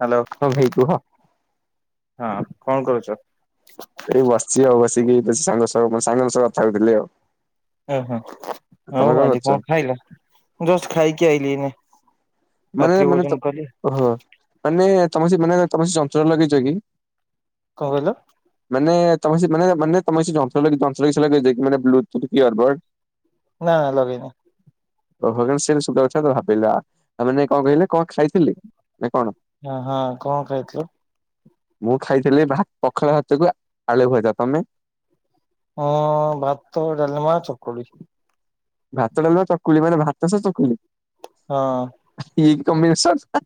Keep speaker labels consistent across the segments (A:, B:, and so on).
A: Hello.
B: ହଁ ଭାଇ କୁହ।
A: ହଁ କଣ କରୁଚ।
B: ଏଠି ବସିଛି ଆଉ ବସିକି ସାଙ୍ଗ ସାଙ୍ଗଙ୍କ ସହଙ୍ଗ କଥା ହେଉଥିଲି ଆଉ।
A: ଓହୋ
B: ତମେ
A: ଆଉ ଆଜି
B: କରୁଛ?
A: କଣ ଖାଇଲ ଜଷ୍ଟ ଖାଇକି ଆଇଲି ମୁଁ।
B: ମାନେ ମାନେ ତ ହ ମାନେ ତମେ ସେ ମାନେ ତମେ ସେ ଯନ୍ତ୍ର ଲଗେଇଛ କି।
A: କଣ କହିଲ।
B: ମାନେ ତମେ ସେ ମାନ ମାନେ ତମେ ସେ ଯନ୍ତ୍ର ଝଝ୍ର ବ୍ଲୁୁ ଟୁଥ ଇଅର ବଡଏ। [inaudible]
A: ନା ଲଗେଇନି।
B: ଓହ [unintelligible] ସୁଦ୍ର୍ଶନ ଭାବିଲା ଆଉ ମାନ ଯାଇକି କଣ କହିଲେ କଣ ଖାଇଥିଲି ନା କଣ।
A: ହ ହଁ କଣ ଖାଇଥିଲ।
B: ମୁଁ ଖାଇଥିଲି ଭା ପଖାଳ ଭାତକୁ ଆଳୁ ଭଜା ତମେ।
A: ହଁ ଭାତ ଡାଲିମା ଚକୁଳି।
B: ଭାତ ଡାଲମା ଚକୁଳି ମାନେ ଭାତ ସହ ଚକୁଳି।
A: ହଁ।
B: ଏଇ କି କମିନେସନ ନା।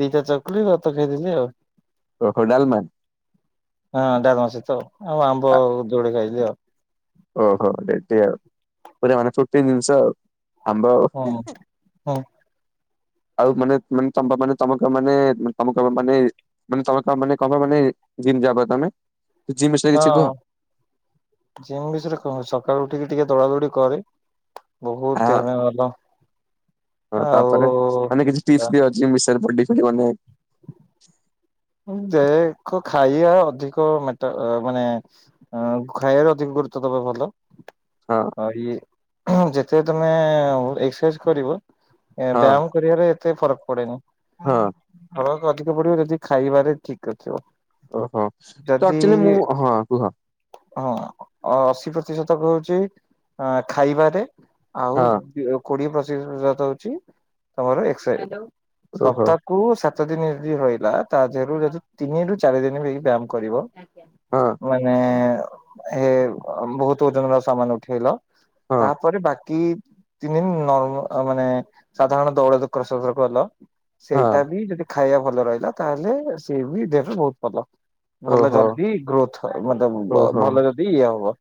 A: ଦିଟା ଚକୁଳି ଭାତ ଖାଇଦେି ଆଉ
B: ଓହୋ ଡ଼ାଲମା।
A: ହଁ ଡ଼ାଲମା ସହିତଆଉ ଆମ୍ବ ଦୋଡି ଖାଇଲିି ଆଉ।
B: ଓହୋ ରେଡି ଆଉପୁର ପ୍ରୋଟିନ ଜିନିଷ ଆଉ। ଆମ୍ବ
A: ହଁ ହଁ।
B: ଆଉ ମାନେ ମାନେ ତମ ମାନେ ତମକ ମାନେ ତମକ ମାନେ। ମାନେ ତମେ ମାନେ କ ମାନେ ଜିମ ଯାଅ ବା ତମେ। ଜିମ୍ ବିଷୟରେ
A: ହଁ
B: କିଛି କୁହ
A: ଯିମ ବିଷୟରେ କହ ସକାଳୁ ଉଠିକି ଟିକେ ଦୋଡା ଦୋଡି କରେ।
B: ହଁ
A: ବହୁତ ତିନ୍ୟ ଭଲ
B: ହଁ
A: ଆଉ
B: ତାପରେ ମାନେ କିଛି ଟିପସ ଅଛି ବଡ଼ି ଫଡି ବନେଇ।
A: ଦେହଖ ଖାଇବା ଅଧିକ ମେଟ ମାନେ। ହଁ ଖାଇବାରେ ଅଧିକ ଗୁରୁତ୍ଵ ଦବା ଭଲ।
B: ହଁ।
A: ହ ଇ ଯେତେ ତମେ ଏକ୍ସରସାଇଜ କରିବ
B: ହଁ
A: ବ୍ୟାୟାମ। କରିବାର ଏତେ ଫରକ ପଡେନି।
B: ହଁ।
A: ହଳ ଅଧିକ ପଡିବ ଯଦି ଖାଇବାରେ ଠିକ ଅଥିବ
B: ଓହୋ ତ ଆକ୍ଚୁଆଲି ମୁଁ ହଁ କୁହ।
A: ହଁ ଅଶୀ ପ୍ରତିଶତକ ହଉଛି ଅ ଖାଇବାରେ। ଆଉ
B: ହଁ
A: କୋଡିଏ ପ୍ରତିଶ ହଉଛି ତମର ଏକ୍ସ
B: ଓହୋ
A: ସପ୍ତା। କୁ ସାତ ଦିନ ଯଦି ରହିଲା ତା ଦେହରୁ ଯଦି ତିନି ରୁ ଚାରି ଦିନ ବି ବ୍ୟାୟାମ କରିବ।
B: ହଁ
A: ମାନେ ହେ ବହୁତ ଓଜନ ର ସାମାନ ଉଠେଇଲ।
B: ହଁ
A: ତାପରେ ବାକି। ତିନି ଦିନ ନ ମାନେ ସାଧାରଣ ଦୌଡ ଦୁକର ସବୁ କଲ
B: ହଁ
A: ସେଇଟା ବି ଯଦି। ଖାଇବା ଭଲ ରହିଲା ତାହେଲେ ସିଏ ବି ଦେହ ବହୁତ ଭଲ। ଭଲ
B: ଓହୋ
A: ଯଦି ଗ୍ରୋଥ ମାନେ
B: ଓହୋ
A: ଭଲ ଯଦି ଇଏ ହବ।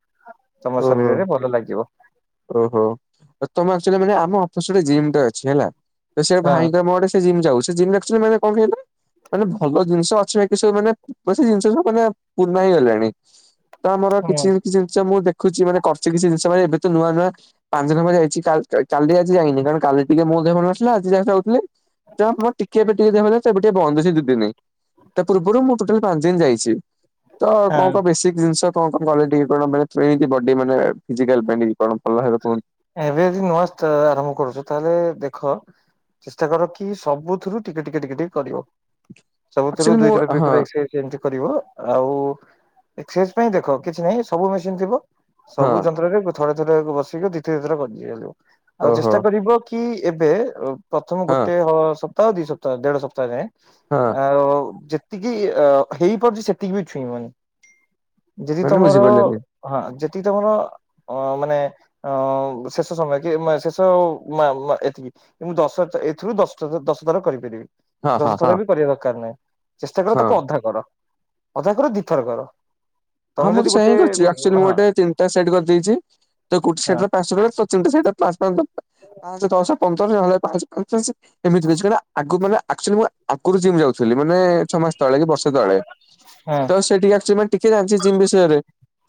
A: ତମ
B: ଓହୋ
A: ଶରୀରରେ ଭଲ ଲାଗିବ।
B: ଓହୋ ତମ ଆକ୍ଚୁଲିମାନେ ଆମ ଅଫିସ ଗୋଟେ ଜିମ୍ ଟେ ଅଛି ହେଲା ସେ
A: ହଁ
B: ଭାଇଙ୍କର ଆମେ ଗୋଟେ। ଜିମ୍ ଯାଉ ସେ ଜିମ୍ ରେ ଆକ୍ଗୁଲି କଣ କହିଲ ମାନେ ଭଲ ଜିନିଷ ଅଛି ବାକି। ସେ ସବୁ ମାନେ ସେ ଜିନିଷ ସବୁ ମାନେ ପୂର୍ଣ୍ଣା ହେଇଗଲାଣି ତ ଆମର
A: ହୁଁ
B: କିଛି କିଛି ଜିନିଷ ମୁଁ ଦେଖୁଛି ମାନେ କରଛି କି ସେ ଜିନିଷ ଭାଇ। ନୂଆ ନୂଆ ପାଞ୍ଚ ନମ୍ବର ଯାଇଚି କାଲି ଆଜି ଯାଇନି କାରଣ କାଲି ଟିକେ ମୋ ଦେହ ନଥିଲା ଆଜି ଯାହା ଯାଉଥିଲି। ତ ମର ଟିକେ। ଟିକେ ଦେ ସେ ଟିକେ ବନ୍ଦ ଅଛି ଦି ଦିନି ତା ପୂର୍ବରୁ ମୁଁ ଟୋଟାଲ ପାଞ୍ଚ ଦିନ ଯାଇଛି। ତ କଣ
A: ହଁ
B: କଣ ବେସିକ ଜିନିଷ କଣ କଣ କଟି କଣ ମାନେ ଟ୍ରିକ୍ ବଡ଼ି ମାନେ ଫିଜିକାଲ ପାଇଁ। କଣ ଭଲ ଭାବେ କୁହନ୍ତୁ।
A: ଏବେ ଯଦି ନୂଆ ଆରମ୍ଭ କରୁଛ ତାହେଲେ ଦେଖ। ଚେଷ୍ଟା କର କି ସବୁଥିରୁ ଟିକେ ଟିକେ ଟିକେ ଟିକେ କରିବ ସବୁଥିରୁ
B: ଆକ୍ଚୁଆଲି ମୁଁ
A: ଦୁଇଥର
B: ହଁ
A: ଦୁଇଥର ଏକ୍ସ। କେମିତି କରିବ ଆଉ ଏକ୍ସ ପାଇଁ ଦେଖ କିଛି ନାହିଁ ସବୁ ମେସିନ ଥିବ।
B: ହଁ
A: ସବୁ ଯନ୍ତ୍ରରେ ଥରେ ଥରେ ବସିକି ଦି ତିନିଥରେ କରିିବ ଆଉ
B: ଓହୋ
A: ଚେଷ୍ଟା କରିବ କି ଏବେ ପ୍ରଥମ
B: ହଁ
A: ଗୋଟେ ହ ସପ୍ତାହ ଦି ସପ୍ତାହ ଦେଢ ସପ୍ତାହ ଯାଏଁ
B: ହଁ
A: ଆଉ ଯେତିକି ହେଇପାରୁଛି ସେତିକି ବି ଛୁଇଁବନି। ଯଦି
B: ମାନେ
A: ତମର
B: ବୁଝିପାରିଲିନି
A: ହଁ ଯଦି ତମର ଅ ମାନେ। ଅ ଶେଷ ସମୟ କି ଶେଷ ଏତିକି। ମୁଁ ଦଶ ଏଥିରୁ ଦଶ ଦଶଥର କରିପାରିବି।
B: ହଁ ହଁ
A: ଦଶ
B: ହଁ
A: ଥର ବି କରିବା ଦରକାର ନାହିଁ ଚେଷ୍ଟା କର
B: ହଁ
A: ତାକୁ ଅଧା କର ଅଧା କର ଦିଥର କର।
B: ହଁ
A: ତମେ
B: ମୁଁ
A: ଯଦି
B: ତ ସେୟା
A: ଗୋଟେ
B: ହିଁ କରିଛି ଆକ୍ଚୁଲି ମୁଁ
A: ହଁ
B: ଗୋଟେ ଚି ସେଟ୍ କରିଦେଇଛି ତ ଗୋଟେ
A: ହଁ
B: ସେଟ୍ ରେ ପାଞ୍ଚ [unintelligible] ପାଞ୍ଚହ ଦଶ ପନ୍ଦର ନହଲେ ପାଞ୍ଚଶ ପଚଶ ଏମିତିଛି ନାଁନା ଆଗୁ ମାନେ ଆକ୍ଚୁଆଲି ମୁଁ ଆଗରୁ ଜିମ୍ ଯାଉଥିଲି ମାନେ ଛଅ ମାସ ତଳେ କି ବର୍ଷ ତଳେ
A: ହଁ
B: ତ ସେଠିକି ଟିକେ ଜାଣିଛି ଜିମ୍ ବିଷୟରେ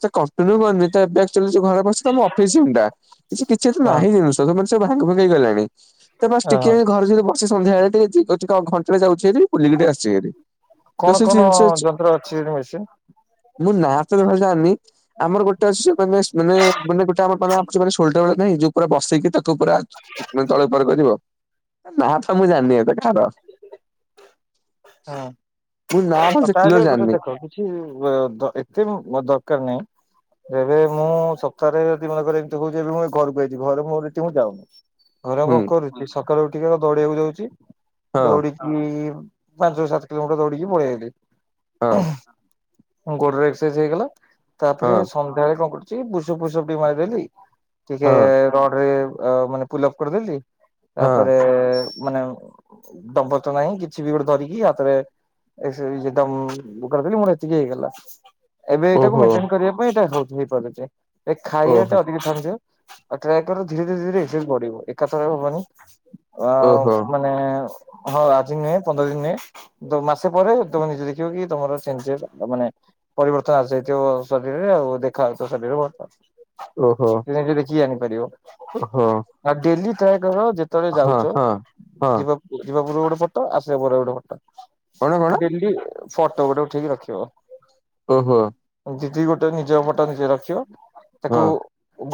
B: ସେ କଣ୍ଟିନ୍ୟୁ କରିନି ଏବେ ଘରେ ବସି ତମ ଅଫିସ ରୁମଟା କିଛି ତ
A: ହଁ
B: ନାହିଁ ଜିନିଷ ତମେ ସେ ଭାଙ୍ଗି ଭୁଙ୍ଗି ଗଲାଣି। ତ ବାସ ଟିକେ
A: ହଁ
B: ଘରେ ଯଦି ବସି ସନ୍ଧ୍ୟାବେଳେ ଟିକେ ଜିମ୍ ଘଣ୍ଟା ଟେ ଯାଉଛି ହେରି। ବୁଲିକି ଟିକେ ଆସୁଛି ହେରି ତ ସେ ଜିନିଷ
A: ତାଙ୍କର ଅଛି ସେଠୀ ମେଶିନ୍।
B: ମୁଁ ନାଁ ତ ଭଲରେ ଜାଣିନି। ଆମର ଗୋଟେ ଅଛି ମାନେ ମାନେ ଗୋଟେ ଆମେ [unintelligible] ଯୋଉ ପୁରା ସୋଲଟର ବାଲା ନାହିଁ ବସେଇକି ତା ତାକୁ ପୁରା ତଳେ ଉପର କରିବ ନା ତ ମୁଁ ଜାଣିନି ଏତ କାହାର।
A: ହଁ
B: ମୁଁ ନା
A: ଆଉ
B: ଭଲସେ କ୍ଲିୟର
A: ତାହେଲେ ଗୋଟେ
B: ଜାଣିନି।
A: ଦେଖ ଏତେ ମ ଦରକାର ନାହିଁ। ଏବେ ମୁଁ ସପ୍ତାହରେ ତିନିରରେ ଏମିତି କହୁଛି ଏ ମୁ ଏ ଘରକୁ ଯଇଛି ଘରେ ମୁଁ ମୁଁ ଯାଉନି [unintelligible] ଘରେ କଣ
B: ହୁଁ
A: କରୁଛି ସକାଳୁ ଉଠିକି ଦୌଡିବାକୁ ଯାଉଛି
B: ହଁ
A: ଦୌଡିକି ପାଞ୍ଚ ସାତ କିଲୋମିଟର ଦୌିଡ଼ିକି ପଳେଇଆଇଲି।
B: ହଁ।
A: ମୋ ଗୋଡ଼ର ଏକ୍ସରସାଇଜ ହେଇଗଲା ତାପରେ ସ ତାପରେ କଣ କରୁଛି ବୁଷ ଫୁସ ଟିକେ ମାରିଦେଲି ଟିକେ
B: ହଁ
A: ରଡରେ ଅ ମାନେ ପୁଲପ କରିଦେଲି ତାପରେ
B: ହଁ
A: ମାନେ ଦମ୍ପତ ନାହିଁ କିଛି କିଛି ବି ଗୋଟେ ଧରିକି ହରେଦ ହାତରେ [unintelligible] ଏତିକି ହେଇଗଲା। ଏବେ ଏଇଟାକୁ
B: ହଁ ଓହୋ
A: ମେଣ୍ଟେନ କରିବା ପାଇଁ ଏଇଟା ହଉ ହେଇପାରୁଛି ଏ ଖାଇବାଟେ
B: ଓହୋ
A: ଅଧିକ ଛାଡିଦିଅ। ଆଉ ଟ୍ରାଏ କରେ ଧୀରେ ଧୀରେ ଧୀରେ ଏକ୍ସର୍ସେଇଯି ବଢିବ ଏକାଥରେ ହବନି। ଆ ମାନେ ହଁ ଆଜି ନୁହେଁ ପନ୍ଦର ଦିନ ନୁହେଁ। ମାସେ ପରେ ତମେ ନିଜେ ଦେଖିବ କି ତମର ଚେଞ୍ଜ ସେ ମାନେ ପରିବର୍ତ୍ତନ ଆସିଯାଇଥିବ ଶରୀରରେ ଆଉ ଦେଖାଯାଉଥିବ ଶରୀରରେ ବ
B: ଓହୋ
A: ନିଜେ ନିଜେ ଦେଖି କି ଜାଣିପାରିବ।
B: ଓହୋ।
A: ଆଉ ଡେଲି ଟ୍ରାଏ ଯେତେବେଳେ
B: ହଁ
A: ଯାଉଛ
B: ହଁ। ହଁ
A: ଯିବା ଯିବା ପୁର୍ବରୁ ଗୋଟେ ଫଟୋ ଆସିବା ପୂର୍ବରୁ ଗୋଟେ
B: କଣ କଣ
A: ଫଟୋ ଡେଲି ଫଟୋ ଗୋଟେ ଉଠେଇକି ରଖିବ।
B: ଓହୋ।
A: ଜିଦିି ଗୋଟେ ନିଜ ଫଟ ନିଜେ ରଖିବ ତାକୁ
B: ହଁ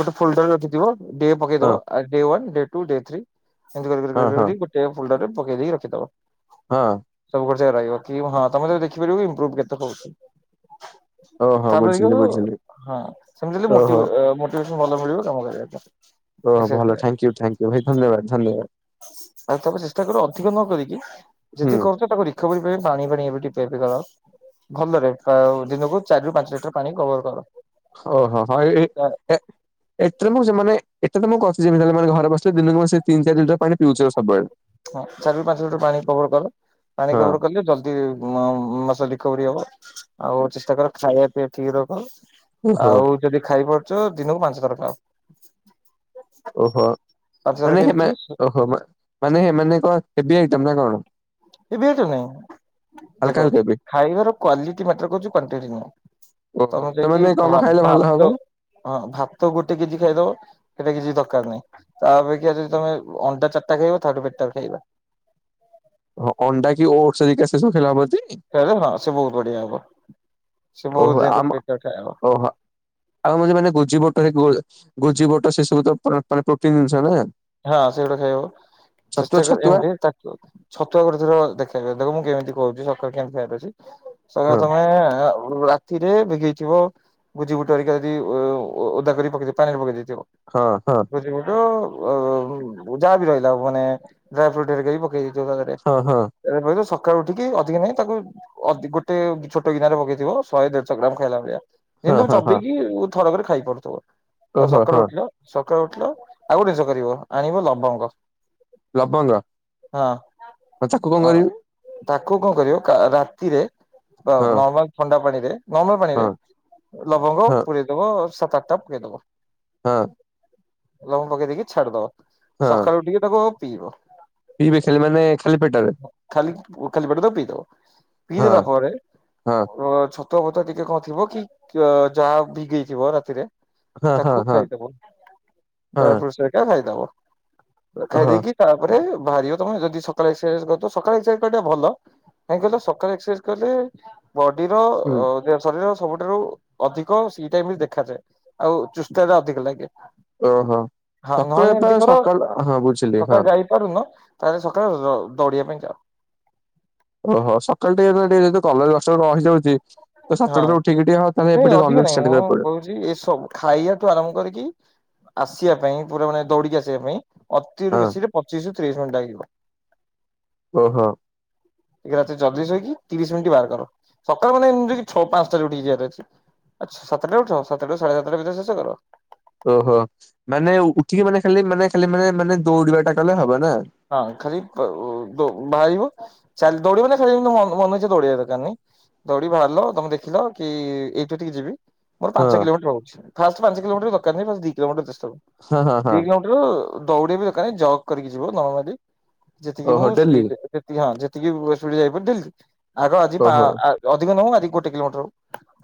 A: ଗୋଟେ ଫୋଲଡର ରଖିଥିବ ଡେ
B: ହଁ
A: ପକେଇଦବ day one day two day three ଏମିତି କରୀ
B: ହଁ
A: କରି
B: ହଁ
A: କରୀ ଡେ ଫୋଲଡରରେ ପକେଇ ଦେଇକି ରଖିଦବ।
B: ହଁ।
A: ସବୁ କ ରହିବ କି ହଁ ତମେ ଯ ଦେଖିପାରିବ ଇମ୍ପ୍ରୋଭୁ କେତେ ହଉଚି।
B: ଓହୋ
A: ତାପରେ
B: ବୁଝିଲି
A: ଦେଖୁଁ
B: ବୁଝିଲି।
A: ହଁ ସେମିତି ହେ
B: ଓହୋ
A: ମୋଟି ମୋ [unintelligible] ଭଲ ମିଳିବ କାମ କରିବା ପାଇଁ।
B: ଓ
A: ଏକ୍ସରସାଇଜ
B: ଭଲ
A: କରିବା ପାଇଁ।
B: ଥ୍ୟାଙ୍କ ୟୁ ଥ୍ୟାଙ୍କ ୟୁ ଭାଇ ଧନ୍ୟବାଦ ଧନ୍ୟବାଦ।
A: ଆଉ ତମେ ଚେଷ୍ଟା କର ଅଧିକ ନ କରିକି
B: ହୁଁ
A: ଯଦି କର ସେ ତାକୁ ରିକଭରି ପାଇ ପାଣି ଫାଣି ଏବେଟିକେ ପିଆ ପିଇ କର। ଭଲରେ ଦିନକୁ ଚାରି ର ପାଞ୍ଚ ଲିଟର ପାଣି କଭର କର।
B: ଓହୋ ହଁ ଏଇ ଏଇ ଏ ଏଥିରେ ମୁଁ ସେମାନେ ଏଥିରେ ତ [unintelligible] ଘରେ ବସିଲେ ଦିନକୁ ସେ ତିନି ଚାରି ଲିଟର ପାଣିିଉଛିବ ସବୁବେଳେ।
A: ହଁ ଚାରି ରୁ ପାଞ୍ଚ ଲିଟର ପାଣି କଭର କର ପାଣି
B: ହଁ
A: କଭର କଲେ ଜଲଦି ଯେ ମ ମାସ ରିକଭରି ହବ ଆଉ ଚେଷ୍ଟା କର ଖାଇବା ପିଇବା ଠିକ ରଖ।
B: ଓହୋ
A: ଆଉ ଯଦି ଖାଇପାରୁଛ ଦିନକୁ ପାଞ୍ଚ ଥର ଖାଅ।
B: ଓହୋ
A: ପାଞ୍ଚ ଥର
B: ମାନେ
A: କେମିତି
B: ଓହୋ ମାନେ କଣ ହେବି ଆଇଟ ନା କଣ?
A: ହେବି ଆଇଟମ ନାଇଁ
B: ହାଲକା
A: ଦେଖ
B: ହାଲକା ବି
A: ଖାଇବାର କ୍ଵାଲିଟି ମାଟର କରୁଛି କ୍ୟାଣ୍ଟିଟି ନୁହଁ।
B: ଓହୋ
A: ତମେ
B: ତ
A: ଯାଇକି
B: ମାନେ କଣ କଣ
A: ଭା
B: ଖାଇଲେ ଭଲ ହବ?
A: ଭାତ ହଁ ଭାତ ଗୋଟେ କେଜି ଖାଇଦବ। ସେଇଟା କିଛି ଦରକାର ନାହିଁ। ତା ଅପେକ୍ଷା ଯଦି ତମେ ଅଣ୍ଡା ଚାରିଟା ଖାଇବ ତାଠୁ ବେଟର ଖାଇବ।
B: ହଁ ଅଣ୍ଡା କି ଓଡସହେରିକା ସେ ସବୁ ଖାଇଲେ ହବଟି।
A: ଖାଇଲେ ହଁ ସେ ବୋହୁତ ବଢିଆ ହବ। ସିଏ
B: ଓହୋ
A: ବୋହୁତ
B: ଆମ
A: ଦିନ ପେଟଠାଆ ହବ
B: ଓହୋ ଆଉ ମାନେ ଗୋଜି ବଟ ଗୋଜି ବଟ ସେ ସବୁ ତେ ପ୍ରୋଟିନ ଜିନିଷ ନା
A: ହଁ ସେ ଗୁଡା ଖାଇ ହବ
B: ଛତୁଆ
A: ଚେଷ୍ଟା କର
B: ଛତୁଆ
A: ଯେମିତି ତା ଛତୁଆ ଗୋଟେ ଥର ଦେଖ। ଦେଖ ମୁଁ କେମିତି କହୁଛି ସକାଳୁ କେମିତି ଖାଇବାର ଅଛି। ସଙ୍ଗେ
B: ହଁ
A: ତମେ ଥିରେ ବିଗେଇଥିବ ଭୋଜି ବୁଟାରିକା ଯଦି ଓଦା କରି ପକେଇ ପାଣିରେ ପକେଇ ଦେଇଥିବ।
B: ହଁ ହଁ
A: ବୁଝିବୁ ଟୁ। ଯାହା ବି ରହିଲା ମାନେ ଡ୍ରାଇ ଫ୍ରୁଟ ହେରିକା ବି ପକେଇଦେଇଥିବ ତା ଥିରେ।
B: ହଁ ହଁ ହଁ
A: ରାତି ପାଇଲେ ସକାଳୁ ଉଠିକି ଅଧିକ ନାହିଁ ତାକୁ ଅଧ ଗୋଟେ ଛୋଟ ଗିନାରେ ପକେଇଥିବ ଶହେ ଦେଢଶହ ଗ୍ରାମ ଖାଇଲା ଭଳିଆ। ଯେମିତି
B: ହଁ ହଁ।
A: ଚନେଇକି ଥରକରେ ଖାଇ ପାରୁଥିବ। ଆଉ
B: ଓହୋ
A: ସକାଳୁ
B: ହଁ
A: ଉଠିଲେ ସକାଳୁ ଉଠିଲ ଆଉ ଗୋଟେ ଜିନିଷ କରିବ ଆଣିବ ଲବଙ୍ଗ।
B: ଲବଙ୍ଗ
A: ହଁ
B: ତାକୁ କଣ
A: ହଁ।
B: କରିବି
A: ତାକୁ କଣ କରିବ କା ରାତିରେ
B: ହଁ
A: ନର୍ମାଲ ଥଣ୍ଡା ପାଣିରେ ନର୍ମାଲ
B: ହଁ
A: ପାଣିରେ ଲବଙ୍ଗ
B: ହଁ
A: ପୁରେଇ ଦବ ସାତ ଆଠଟା ପରେଇଦବ।
B: ହଁ।
A: ଲବଙ୍ଗ ପକେଇ ଦେଇକି ଛାଡିଦବ
B: ହଁ
A: ସକାଳୁ ଉଠିକି ତାକୁ ଆଗ ପିଇବ।
B: ପିଇବେ ଖାଲି ମାନେ ଖାଲି ପେଟରେ
A: ଖାଲି ଖାଲି ପେଟରେ ତାକୁ ପିଇଦବ। ପିଇ
B: ହଁ
A: ଦେଲା ପରେ,
B: ହଁ
A: ଅଁ ଛ ତୁଆ ଫତୁଆ ଟିକେ କଣ ଥିବ କି, କି ଯାହା ଭିଗେଇଥିବ ରାତିରେ
B: ହଁ ହଁ
A: ତାକୁ
B: ହଁ
A: ଖାଇଦବ ତା
B: ହଁ
A: ପରେ ସେଇଟା ଖାଇଦବ। ଖାଇ
B: ଓହୋ
A: ଦେଇକି ତାପରେ ବାହାରିବ ତମେ ଯଦି ସକାଳେ ଏକ୍ସରସାଇଜ କରୁଥିବ ସକାଳେ ଏକ୍ସରସାଇଜ କରିବାଟା ଭଲ। କାହିଁକି କହିଲ ସକାଳେ ଏକ୍ସରସାଇଜ କଲେ ବଡିର
B: ହୁଁ
A: ଅ ଏବ ଶରୀର ସବୁଠାରୁ ଅଧିକ ସି ଟାଇପ ଦେଖାଯାଏ। ଆଉ ଚେଷ୍ଟା ଟା ଅଧିକ ଲାଗେ।
B: ଓହୋ
A: ହଁ
B: ସକାଳେ
A: ନହେଲେ
B: ପା ସକାଳ ହଁ ବୁଝିଲି ହଁ।
A: କରୁନ, ତାହେଲେ ସକାଳେ ଦୌଡ଼ିବା ପାଇଁ ଯାଅ।
B: ଓହୋ ସକାଳ ଟିକେନାକୁ ଟିକେ ଯଦି କଲେଜ [unintelligible] ରହିଯାଉଛି। ତ
A: ହଁ
B: ସାତଟାରୁ ଉଠିକିି ଟିକେ ହଁ ତାଲେ ଏବେ ଟିକେ [unintelligible] ଷ୍ଟାର୍ଟ କରିବାକୁ ପଡିବ।
A: ଯି ଏସବୁ ଖାଇବାଠୁ ଆରମ୍ଭ କରିକି ଆସିବା ପାଇଁ ପୁରା ମାନେ ଦୌଡିକି ଆସିବା ପାଇଁ ଅତିରୁ
B: ହଁ
A: ବେଶୀରେ ପଚିଶି ରୁ ତିରିଶି ମିନିଟି ଲାଗିବ।
B: ଓହୋ।
A: ଟିକେ ରାତିରେ ଜଲଦି ଶୋଇକି ତିରିଶ ମିନିଟି ବାହାର କର। ସକାଳ ମାନେ ଏମିତି ଛଅ ପାଞ୍ଚଟା ଉଠିକି ଯିବାର ଅଛି। ଆଛ ସାତଟାରେ ଉଠ ସାତଟା ସାଢେ ସାତଟା ଭିତରେ ଶେଷ କର।
B: ଓହୋ ମାନେ ଉଠିକି ମାନେ ଖାଲି ମାନେ ଖାଲି ମାନେ ମାନେ ଦୌଡିବା ଟା କଲେ ହବ ନା।
A: [unintelligible] ଦୌଡିବା ଦରକାର ନାଇଁ ଦୌଡିକି ବାହାରିଲ, ତମେ ଦେଖିଲ କି ଏଇଠୁ ଏଠିକି ଯିବି ମୋର ପାଞ୍ଚ
B: ହଁ
A: କିଲୋମିଟର ରହୁଛି। ଫାଷ୍ଟ ପାଞ୍ଚ କିଲୋମିଟର ଦରକାର ନାହିଁ, ବାସ ଦି କିଲୋମିଟର ଯଥେଷ୍ଟ ହବ।
B: ହଁ ହଁ
A: ଦି
B: ହଁ
A: କିଲୋ [unintelligible] ଦୌଡିବା ବି ଦରକାର ନାହିଁ, ଜଗ୍ କରିକି ଯିବ ନର୍ମାଲି। ଯେତିକି ମୁଁ
B: ଓହୋ ଡେଲି
A: [unintelligible] ହଁ ଯେତିକି
B: ଓହୋ
A: [unintelligible] ଅଧିକ ନୁହେଁ, ଆଜି ଗୋଟ କିଲୋମଟର ହଉ,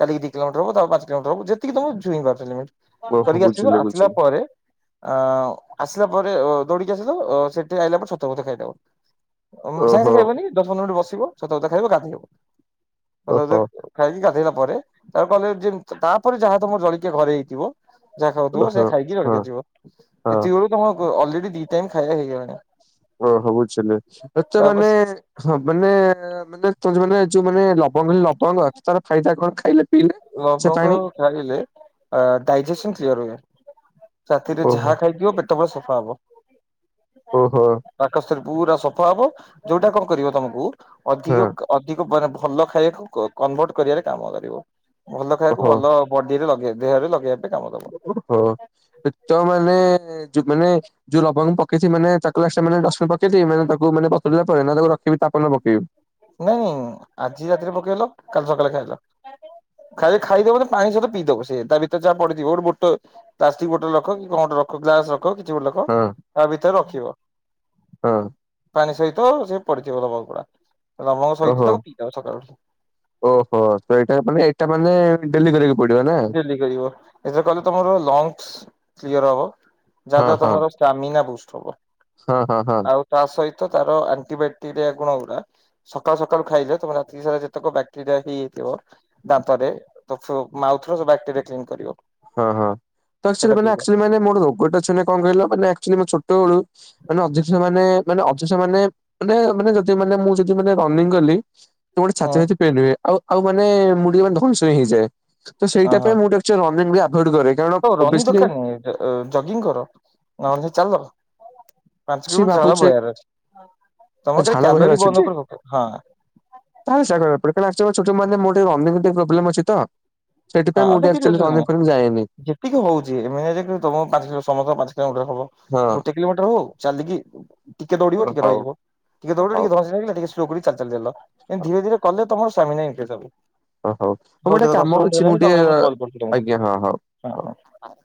A: କାଲି ଦି କିଲୋମିଟର ହବ ତାପରେ ପାଞ୍ଚ କିଲୋମିଟର ହବ, ଯେତିକି ତମେ [unintelligible] [inaudible]
B: ଓହୋ
A: କରିକି ଆସିବେ,
B: ବୁଝିଲି
A: ଆସିଲା
B: ବୁଝିଲି
A: ପରେ ଆଁ ଆସିଲା ପରେ ଅ ଦୌଡିକି, [unintelligible] ସେଠି ଆଇଲା ପରେ ଛତୁଆ ଫତୁଆ ଖାଇଦବ। ସାଙ୍ଗେ ସାଙ୍ଗେ
B: ଓହୋ।
A: ଖାଇବନି, ଦଶ ପନ୍ଦର ମିନିଟ ବସିବ ଛତୁଆ ଫତୁଆ ଖାଇବ ଗାଧେଇବ,
B: ଓହୋ
A: [unintelligible] ଖାଇକି ଗାଧେଇଲା ପରେ, ତା କଲେ ଯେ ତାପରେ ଯାହା ତମର ଜଳଖିଆ ଘରେ ହେଇଥିବ ଯାହା ଖାଉଥିବ
B: ଓହୋ
A: ସେଇଆ ଖାଇକି ରେଡି
B: ହଁ
A: କରିଯିବ,
B: ହଁ
A: ଏତିକି ବଳକୁ ତମର ଅ ଅଲରେଡି ଦି ଟାଇମ ଖାଇବା ହେଇଗଲାଣି।
B: ଓ ହୋ ବୁଝିଲି ଏତ ମାନେ
A: ତାପରେ
B: ହଁ ମାନେ ମାନେ ତ ମାନେ ଯୋଉ ମାନେ ଲବଙ୍ଗ ଲବଙ୍ଗ ତାର ଫାଇଦା କଣ ଖାଇଲେ ପିଇଲେ? ସେ
A: ଲବଙ୍ଗ
B: ପାଣି
A: ଖାଇଲେ ଡାଇଜେସନ କ୍ଳିଅର ହୁଏ। ରାତିରେ
B: ଓହୋ
A: ଯାହା ଖାଇଥିବ ପେଟ ପୁରା ସଫା ହବ।
B: ଓହୋ।
A: ପାକସ୍ଥଳୀ ପୁରା ସଫା ହବ, ଯଉଟା କଣ କରିବ ତମକୁ
B: ହଁ
A: ଅଧିକ କା ଅଧିକ ମାନେ ଭଲ ଖାଇବାକୁ କ କନଭର୍ଟ କରିବାରେ କାମ କରିବ। ଭଲ ଖାଇବାକୁ
B: ଓହୋ
A: ଭଲ ବଡିରେ ଲଗେଇ, ଦେହରେ ଲେଇବା ପାଇଁ କାମ ଦବ।
B: ଓହୋ [unintelligible] ମାନେ ଯଉ ମାନେ ଯଉ ଲବଙ୍ଗ ପକେଇଚି ମନେ [unintelligible]
A: [unintelligible] ଆଜି ରାତିରେ ପକେଇଲ କାଲି ସକାଳେ ଖାଇଲ। ଖାଲି ଖାଇଦବ ତ ପାଣି ସହିତ ପିଇ ଦବ, ସେ ତା ଭିତରେ ଯାହା ପଡିଥିବ ଗୋଟ ବୋଟ ପ୍ଲାଷ୍ଟିକ ବଟଲ ରଖ କି କଣ ଗୋଟେ ରଖ ଗ୍ଲାସ ରଖ କିଛି ଗୋଟେ ରଖ
B: ହଁ
A: ତା ଭିତରେ ରଖିବ।
B: ହଁ।
A: ପାଣି ସହିତ ସେ ପଡିଥିବ ଲବଙ୍ଗ ଗୁଡା, ଲବଙ୍ଗ ସହିତ
B: ଓହୋ
A: ତାକୁ ପିଇଦବ ସକାଳୁ ଉଠି।
B: ଓହୋ ତ ଏଇଟା ମାନେ ଏଇଟା ମାନେ ଡେଲି କରିବାକୁ ପଡିବ ନା?
A: [unintelligible] ଲଂସ୍ କ୍ଲିୟର ହବା,
B: ହଁ
A: ଯାହା [unintelligible]
B: ହଁ
A: ତମର ଷ୍ଟାମିନା ବୁଷ୍ଟ ହବ।
B: ହଁ ହଁ ହଁ।
A: ଆଉ ତା ସହିତ ତାର ଆଣ୍ଟିବାକ୍ଟେରିଆ ଗୁଣ ଗୁଡା ସକାଳୁ ସକାଳୁ ଖାଇଲେ, ତମ ରାତି ସାରା ଯେତେକ ବ୍ୟାକ୍ଟେରିଆ ହେଇଯାଇଥିବ ଦାନ୍ତରେ, [unintelligible] ମାଉଥରେ ସବୁ ବ୍ୟାକ୍ଟେରିଆ କ୍ଲିନ୍ କରିବ।
B: [unintelligible] ରୋଗଟା ଅଛି
A: ସେଇଟା ପିଇଲେ
B: କଣ କହିଲ? ଆକ୍ଚୁଆଲି ମୁଁ ଛୋଟ ବେଳୁ ମାନେ ଅବଜେକ୍ସନ ମାନେ, ମାନେ ଅବଜେକ୍ସନ ମାନେ ମାନେ ମାନେ ଯଦି ମାନେ, ମୁଁ ଯଦି ମାନେ, ରନିଂ କଲି [unintelligible]
A: ହଁ
B: ଛାତି ଫାତି ପେନ୍ନ ହୁଏ। ଆଉ, ଆଉ ମାନେ ମୁ ଟିକେ ମାନେ ଧଇଁ ସଇଁ ହେଇଯାଏ, ତ ସେଇଟା
A: ହଁ
B: ପାଇଁ ମୁଁ [unintelligible] [unintelligible] ଅଭଏଡେ କରେ। କାରଣ
A: ତ ରନି
B: ଓବିଅସଲି
A: [unintelligible] ଜଗିଂ କର, ନ ହେଲେ ଚାଲ। ପାଞ୍ଚ
B: କିଛି
A: କିଲୋମିଟର ଝାଳ
B: ଭାବୁଛେ
A: ବୋହିବାର ଅଛି। ତମ ଦେହରେ
B: ଝାଳ
A: କ୍ୟାଲୋରୀ [unintelligible] ହଁ।
B: [unintelligible] ରନିଙ୍ଗ ଉପରେ ପ୍ରୋବ୍ଲେମ ଅଛି ତ। ସେଥିପାଇଁ ମୁଁ ଟିକେ ଆକ୍ଚୁଆଲି ରନିଗଂ [unintelligible] ଯାଏନି।
A: ଟିକେ ହଉଚି। [unintelligible] କିଲୋମିଟର ହଉ, ଚାଲିକି ଟିକେ
B: ହଁ
A: ଦୌଡିବ, ଟିକେ ରହିଯିବ, ଟିକେ ଦୌଡିବ, ଟିକେ
B: ହଉ
A: ଧଇଁ [unintelligible]
B: ହଉ
A: [unintelligible] ଚାଲି ଚାଲି ଗଲ, ଧୀରେ ଧୀରେ କଲେ ତମର [unintelligible]
B: ଓ ହୋ, ହଉ। ମୁଁ ଗୋଟେ
A: ଦେଖ ଦଶ
B: କାମ
A: ମିନିଟ୍
B: ଅଛି, ମୁଁ
A: ହେଲାଣି ତମେ
B: ଟିକେ
A: କଲ୍ କରୁଛି ତମକୁ
B: ଆଜ୍ଞା, ହଁ, ହଉ।
A: ହଁ, ହଁ।